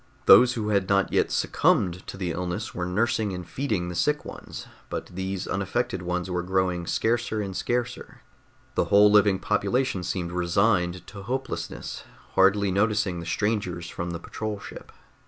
Those who had not yet succumbed to the illness were nursing and feeding the sick ones, but these unaffected ones were growing scarcer and scarcer. The whole living population seemed resigned to hopelessness, hardly noticing the strangers from the patrol ship.